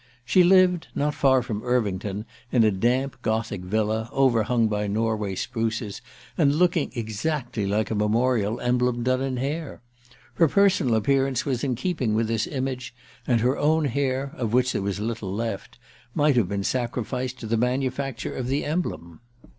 She lived, not far from Irvington, in a damp Gothic villa, overhung by Norway spruces, and looking exactly like a memorial emblem done in hair. Her personal appearance was in keeping with this image, and her own hair of which there was little left might have been sacrificed to the manufacture of the emblem.